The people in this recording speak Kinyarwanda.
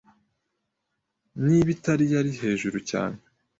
Niba itari a-yari hejuru cyane